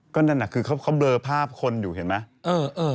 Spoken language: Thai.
ก็นั่นน่ะคือเขาเบลอภาพคนอยู่เห็นไหม